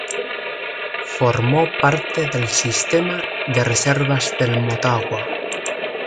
Formó parte del sistema de reservas del Motagua.